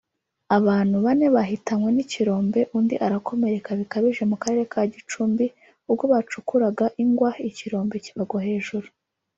Abantu bane bahitanywe n’ikirombe undi arakomereka bikabije mu Karere ka Gicumbi ubwo bacukuraga ingwa ikirombe kibagwa hejuru